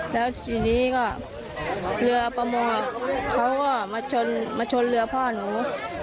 แล้วทีนี้ก็เรือประมงเขาก็มาชนมาชนเรือพ่อหนู